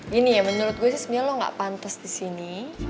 gini ya menurut gue sih sebenarnya lo gak pantas di sini